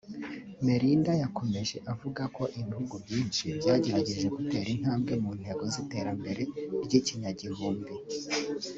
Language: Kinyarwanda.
Melinda yakomeje avuga ko ibihugu byinshi byagerageje gutera intambwe mu ntego z’iterambere ry’ikinyagihumbi